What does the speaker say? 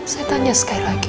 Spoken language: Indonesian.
saya tanya sekali lagi